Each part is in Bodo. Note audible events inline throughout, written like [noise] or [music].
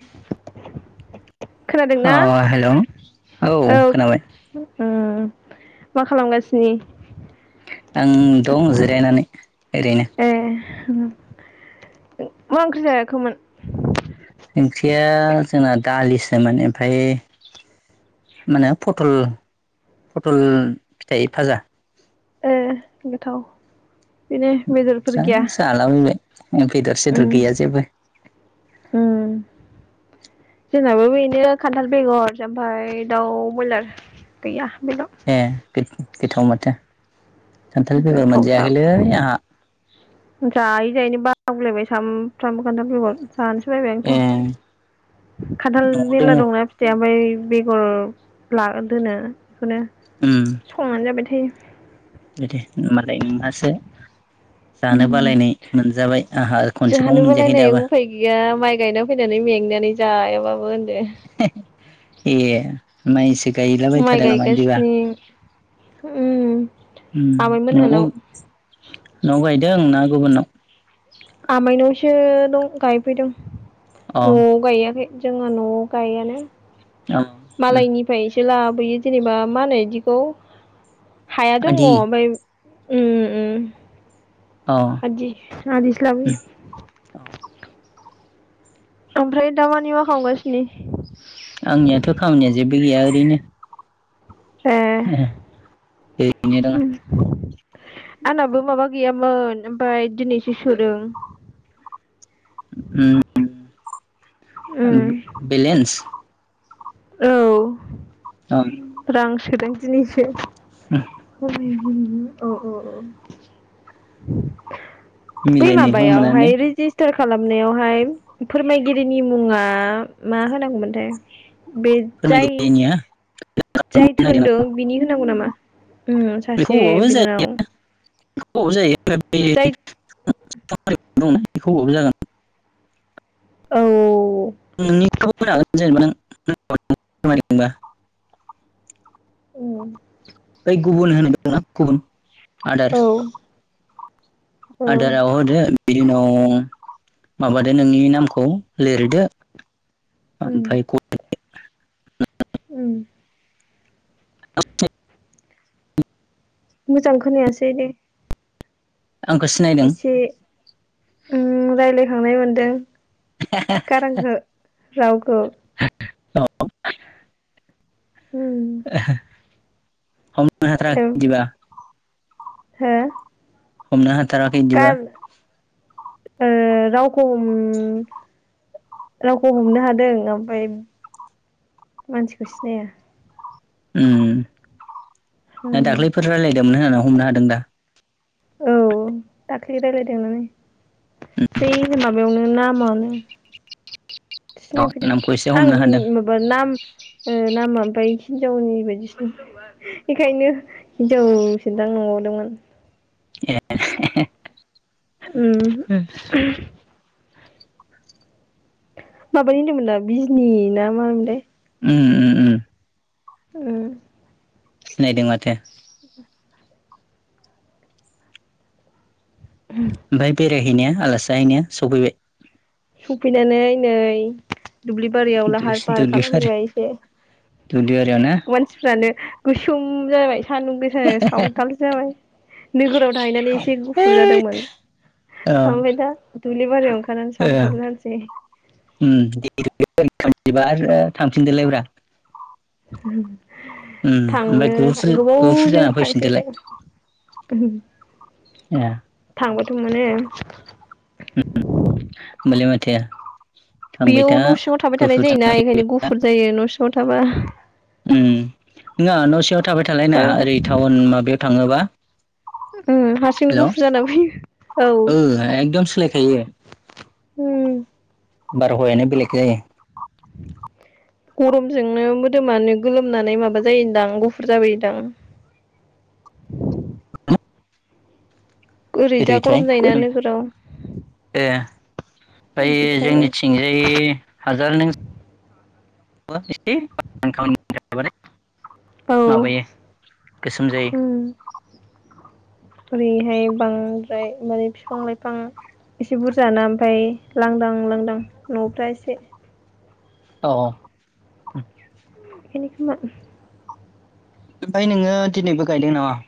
[unintelligible] अ खोनादोंना हेलौ औ खोनाबाय। उम मा खालामगासिनि? आं दं जिरायनानै ओरैनो। उम मा ओंख्रि जायाखैमोन? ओंख्रिया जोंना दालिसो माने ओमफ्राय मानो फथल फथल फिथाइ भाजा। ए गोथाव। बेनो बेदरफोर जा गैया जालाबायबाय बेदर उम सेदर गैया जेबो। उम जोंनाबो बेनो खान्थाल बेगर ओमफ्राय दाउ बयलार गैया। बेल' ए गोथाव माथो खान्थाल बेगर मोनजायाखैलै गोथावसाब आंहा। जायै जायैनो बागुलायबाय सामफ्रामबो खान्थाल बेगर। जानोसै बायबाय आंथ' ए खान्थाल न'आव दङ मेरला दंना फिथाइया ओमफ्राय बेगर ला दोनो बेखौनो संनानै जाबाय थायो। बि दे होमबालाय नोंहासो जानो बालायनाय मोनजाबाय। आंहा खनसेखौ मोनजायाखै जानोबालायनाय दाबो उफाय गैया माइ गायना फैनानै मेंनानै जायाबाबो होनदो। ए मायसो माइ गायलाबायथारो नामा इदिबा गायगासिनो उम उम न'आव आमाइमोनहानाव न'आव गायदों आं ना गुबुननाव? आमाइनावसो दं गायफैदों अ न'आव गायाखै। जोङो न'आव गायानो। औ उम जेला बोयो जेनेबा मा होनो बिदिखौ हाया दङ' आदि ओमफ्राय उम उम अ आदि आदिसो उम लाबोयो। ओमफ्राय दा मानि मा खालामगासिनो? आंनियाथ' खामानिया जेबो ए उम ओरैनो दोङो। आंनाबो माबा गैयामोन ओमफ्राय दिनैसो सोदों। उम उम बेलेन्स औ अ रां सोदों दिनिसो। औ औ। बै मिलायनायखौ मोननानै माबायावहाय रेजिस्टार खालामनायावहाय फोरमायगिरिनि मुङा मा होनांगौमोनथाय? बे जाय फोरमायगिरिनिया जाय नागिरदों थोनदों आं बिनि होनांगौ नामा? उम सासे बिनानाव। जायो [unintelligible] जाय बेखौ होबाबो जागोन। औ। नोंनिखौबो होनो हागोन जेनेबा [unintelligible] उम बै गुबुन होनो ना गुबुन औ आदार आदारआव होदो बिनि उनाव माबादो नोंनि नामखौ लिरदो। उम ओमफ्राय उम [unintelligible] मोजां खोनायासै दे आंखौ सिनायदों एसे उम रायलायखांनाय मोनदों गारांखौ रावखौ औ। उम हमनो हाथाराखै बिदिब्ला हो हमनो हाथाराखै बिदिबा ए रावखौ हम रावखौ हमनो हादों ओमफ्राय मानसिखौ सिनाया उम ना दाख्लैफोर रायलायदोंमोन होननानै हमनो हादों दा औ दाख्लि रायलायदों होननानै बै माबायावनो नामावनो सिनायफैदों नामखौ एसे आं हमनो हादों माबा नाम ओ नामा ओमफ्राय हिनजावनि बायदिसो बेखायनो हिनजावसोदां नंदोंमोन ए उम माबानि होनदोंमोन दा बिजनि ना मामोनलाय उम उम उम उम सिनायदों माथो ओमफाय बेरायहैनाया आलासि जाहैनाया सफैबाय सफैनानै नै दुब्लि बारियाव लाहार फाहार दुब्लिबारि खालामहैबाय एसे दुब्लिबारियाव ना मानसिफ्रानो गोसोम जाबाय सान्दुं गोसा सावथालसो जाबाय नोगोराव थाहैनानै एसे गुफुर जादोंमोन औ आमफाय दा दुब्लि बारियाव ओंखारनानै ओ सावथाल जानोसै [unintelligible] उम ओमफ्राय गुफुर थांनो गुफुर जाना फैफिनदोलाय उम ए थांबाथ' मोनो होमबालाय माथो थांबाय बेयाव था न' सिङाव थाबाय गुफुर थानाय जाना जायोना फैबाय एखायनो गुफुर जायो न' सिङाव थाबा उम नङा न'सिङाव थाबाय थालायनाङा ओरै टाउन माबायाव थाङोबा उम हारसिंनो हेल' गुफुर जाना फैयो ओ एकदम सोलायखायो उम बार हावायानो बेलेख जायो [inaudible] गरमजोंनो मोदोमानो गोलोमनानै माबा जायोदां गुफुर जाबोयोदां [inaudible] ओरै जा गरम बोरैथाय जायोना नोगोराव ए ओमफ्राय बेखायनो जोंनिथिंजाय हाजार नों [unintelligible] औ माबायो गोसोम जायो। उम ओरैहाय बांद्राय माने बिफां लाइफां एसे बुरजा ना ओमफ्राय लांदां लांदां न'फ्रा एसे अ अ उम [inaudible] ओमफ्राय नोङो दिनैबो गायदों नामा?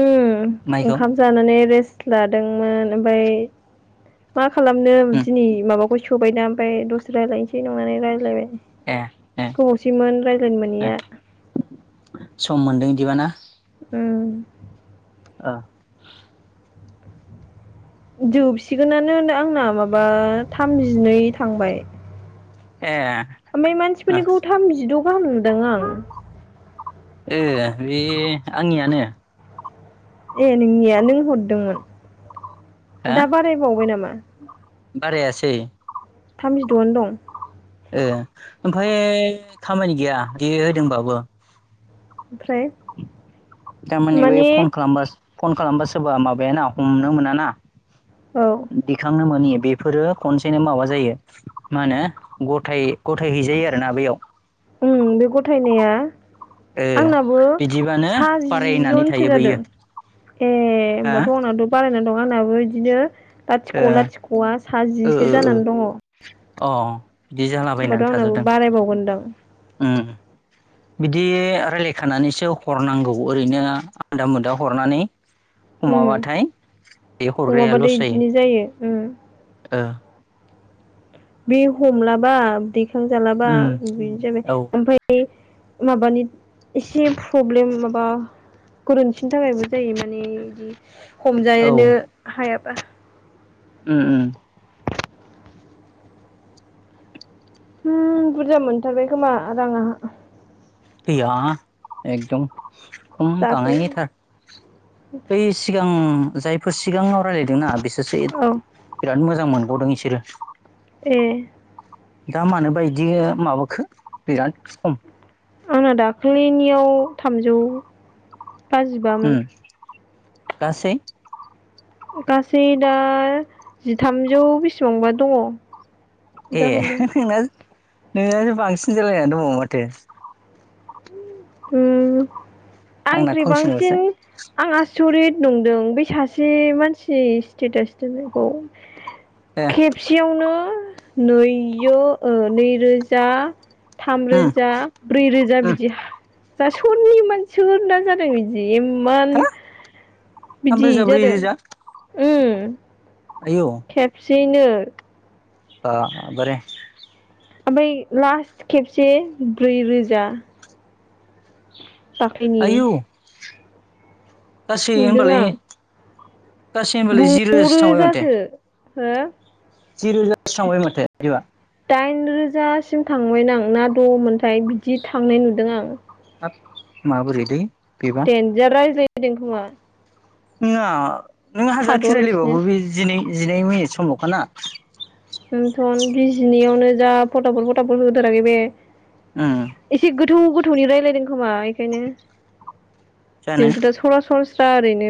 उह माइखौ ओंखाम जानानै रेस लादोंमोन ओमफ्राय मा खालामनो दिनै माबाफोर जबायना ओमफ्राय दससे रायज्लायनोसै नंनानै रायज्लायबाय। ए ए गोबावसैमोन रायज्लायनो ए मोनैया। बिदिबाना। उम ओ जोबसिगोनानो आंना माबा थामजिनै थांबाय। ए ओमफ्राय मानसिफोरनिखौ थामजिद' गाहाम नुदों आं। ए बे आंनियानो। ए नोंनिया नों हरदोंमोन दा बारायबावबाय नामा? बारायसेै। थामजिद'आनो दं। ए ओमफ्राय खामानि गैया बे होदोंबाबो। ओमफ्राय थारमाने बे माने फन खालामबासो फन खालामबा सोरबा माबायाना हमनो मोनाना औ दिखांनो मोनि बेफोरो खनसेनो माबा जायो मा होनो गथाय- गथाय हैैजायो आरोना बेयाव। उम बे गथायनाया ओ आंनाबो बिदिबानो सा जि बारायनानै जनसो थायो बैयो जादों। ए हा होमबाथ'अनाथ' बारायनानै दं आंनाबो बिदिनो ओ लाथिख'-लाथिख' आ सा जिसो जानानै दङ। अ बिदि जालाबायनानै होमबाथ' आंनाबो थाजोबदों। बारायबावगोनदां उम बिदि रायलायखानानैसो हरनांगौ ओरैनो आदा मुदा हरनानै उह हमाबाथाय बे हरग्राया हमाबाथाय बिदिनो जायो उम। औ। बे हमलाबा दैखांजालाबा उम बिदि जाबाय औ ओमफ्राय माबानि एसे प्रब्लेम माबा गोरोन्थिनि थाखायबो जायो माने बिदि हमजोनो हायाबा। उम-उम बुरजा मोनथारबाय खोमा राङा‌। गैया एकदम‌। खम दाख्लै बानायनायथार बै सिगां जायफोर सिगाङाव रायलायदोंना बिसोरसो औ बिराद मोजां मोनगदों इसोरो। ए दा मानोबा बिदि माबाखो बिराद खम। आंना दाखालिनियाव थामजौ उम बाजिबामोन। गासै। गासै दा जिथामजौ बेसिबांबा दङ। ए जाहांदों नोंना नोंना बांसिन जालायनानै दब माथो। उह आंना आंनिख्रुइ खमसिनल'सो बांसिन आङा आसरिद नंदों बे सासे मानसिनि स्टेटास दोननायखौ। ए खेबसेयावनो नैजौ ओ नैरोजा उम थामरोजा ब्रैरोजा उम बिदि जा सोरनि मानसोरना जादों बिदि? इमान हो थाम बिदि रोजा ब्रै जादों रोजा उम खेबसेयैनो दा बोर ओमफ्राय लास्ट खेबसे ब्रैरोजा दाखलिनि गसै होमबालाय आं गासै होनबालाय जि रोजासो थांबाय माथो हो जि रोजासो थांबाय माथो बिदिबा दाइन रोजासिम थांबाय नां ना द'मोनथाय बिदि थांनाय नुदों आं माबोरै लै देनजार रायज्लायदों खोमा। नोङा नों हाजार थाद'आलासिनो खिरायलायबाबो बे जिनै जिनै मिनिट समाल'खाना। ओनथ'न बिजिनियावनो जा फटाफट फटाफट होदाराखै बे उम एसे गोथौ गोथौनि रायजलायदों खोमा बेखायनो जानो जोंथ' दा सरासर स्रा ओरैनो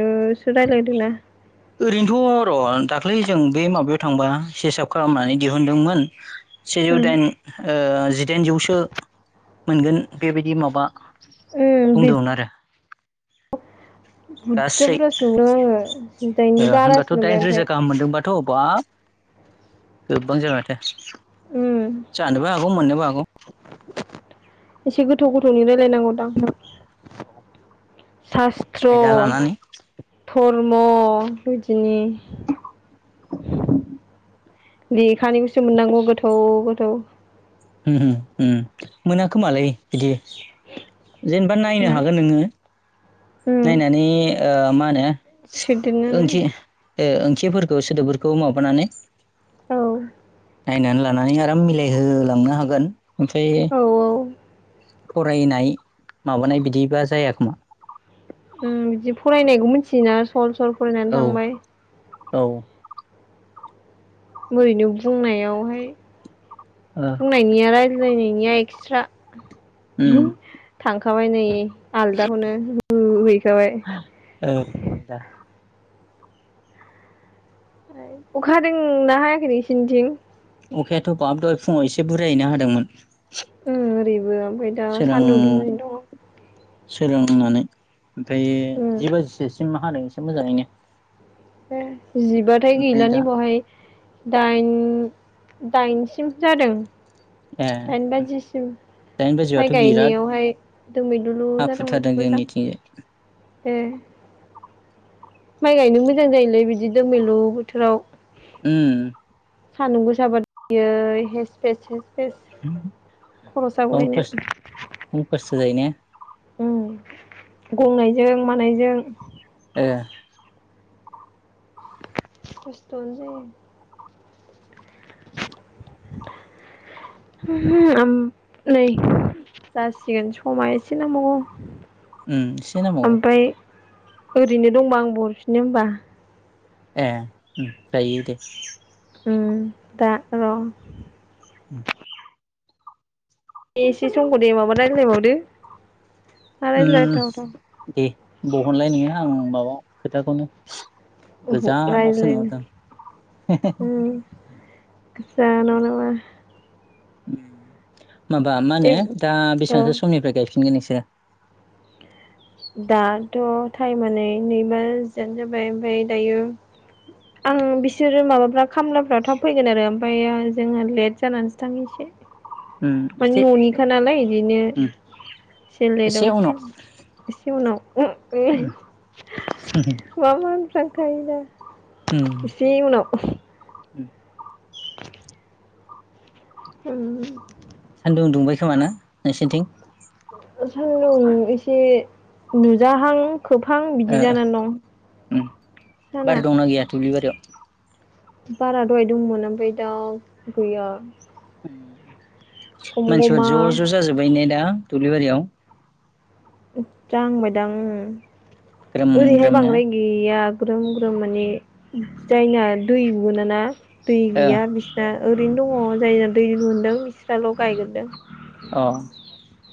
ओरैनोथ' र' दाख्लै जों बे माबायाव थांबा सेसाब खालामनानै दिहुनदोंमोन सेजौ उम दाइन ओ जिदाइनजौसो मोनगोन बेबायदि माबा उम बे बुंदोंमोन आरो बुरजा गासै बुरजासो नुदों आङो जिदाइननि होनमबाथ' बारासो नुबाय दाइन रोजा ओमफ्राय गाहाम मोनदोंबा थ' बाब गोबां जाबाय माथो उम जानोबो हागौ मोननोबो हागौ एसे गोथौ गोथौनिराय लायनांगो दां, सास्त्र' आयदा ध लानानै धर्म बिदिनि [unintelligible] लेखानिखौसो मोननांगौ गोथौ गोथौ उम उम उम मोनाखोमालाय बिदि जेनेबा नायनो उम हागोन नोङो नायनानै ओ मा होनो सोदेरननानै ए ओंथिफोरखौ सोदोबफोरखौ माबानानै औ नायनानै लानानै आराम मिलायहोलांनो हागोन ओमफ्राय औ औ फरायनाय माबानाय बिदिबा जायाखोमा उम बिदि फरायनायखौ मिथियोना सल सल फरायनानै औ थांबाय औ ओरैनो बुंनायावहाय बुंनायनिया राय नायनिया एक्सट्रा उम थांखाबाय नै आलदाखौनो होहैखाबाय ओ आलदा अखाहादों ना हायाखै नोंसिनिथिं? अखायाथ' बाब दहाय फुङाव एसे बुरायहैनो हादोंमोन उम ओरैबो दा सोरां सान्दुं दुंनानै दङ। सोरां रांनानै ओमफ्राय उम जि बाजिसोसिम मा हादों एसे मोजाङैनो ए जिबाथाय ओमफ्राय गैलानि दा बवहाय दाइन दाइनसिम जादों ए दाइन बाजिसिम दाइन माइ बाजिबाथ' बिराद गायनायावहाय दोममैदुलु जादोंमोन हाखुथारदों मोजां जोंनिथिंजाय ए माइ गायनो मोजां जायोलै बिदि दोमलु बोथोराव उम सानदुं गोसाबा आयै हेस फेसस बे खर' सागुलायनाय होजायो ने। गंनायजों मानायजों ए खस्थ' आनो जायो। [inaudible] ओ नै जासिगोन समा एसे नांबावगौ उम एसे नांबावगौ। ओमफ्राय ओरैनो दंबा आं हरफिनो ओनबा। ए जायो दे ओम दा र [inaudible] बे एसे समखौ दे माबा रायलायबावदो मा उम रायलायथाव? दे बहनलाय नोङो आं माबा खोथाखौनो उम हो गोजानावसो नुहरदों रायज्लायनो उम जोंहा नावना मा? माबा मा होनो ए दा औ बेसेबांसो समनिफ्राय गायफिनगोन नोंसो [unintelligible] दाथ' टाइमानो नै नैबाजियानो जाबाय ओमफाय दायो आं बिसोरो माबाफ्रा खामलाफ्राव थाब फैगोन आरो ओमफ्राय जोङो लेट जानानैसो थाङो एसे उम मानि एसे न'निखा नालाय इदिनो उम एसे लाबावनो एसे उनाव उम [unintelligible] मामा होनफ्लांखायो दा एसे उनाव उम उम सान्दुं दुंबाय खोमा ना नोंसोरनिथिं? सानदुं एसे नुजाहां खोबहां ओ बिदि जानानै दं उम बार साना दंना गैया दुब्लि बारियाव बारा दहाय दंमोन ओमफाय दा गैया। गम मानसिफोरा गमा ज' ज' जाजोबाय नेे दा दुब्लि बारियाव। जाहां बायदां ग्रोम उम ओरैहाय ग्रोमनो बांद्राय गैया ग्रोम ग्रोम माने जायना दै मोनाना। दै ओ गैया बिस्रा ओरैनो दङ जाय दै लुदों बिस्राल' गायग्रोदों। अ